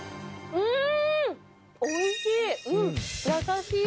うーん！